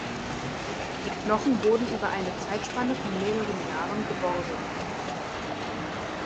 Die Knochen wurden über eine Zeitspanne von mehreren Jahren geborgen.